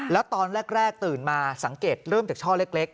แล้วตอนแรกตื่นมาสังเกตเริ่มจากช่อเล็ก